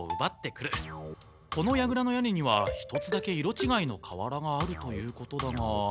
このやぐらの屋根には１つだけ色ちがいの瓦があるということだが。